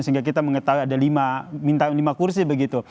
sehingga kita mengetahui ada lima minta lima kursi begitu